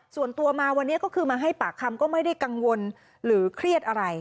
ส่วนตัวมาวันนี้ก็คือมาให้ปากคำก็ไม่ได้กังวลหรือเครียดอะไร